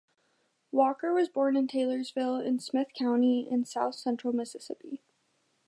Walker was born in Taylorsville in Smith County in south central Mississippi.